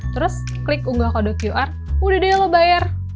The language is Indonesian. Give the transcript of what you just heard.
terus klik unggah kode qr udah deh lo bayar